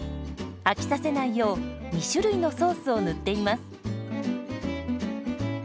飽きさせないよう２種類のソースを塗っています。